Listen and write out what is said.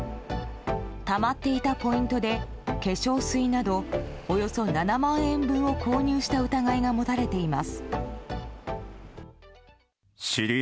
たまっていたポイントで化粧水などおよそ７万円分を購入した疑いが持たれています。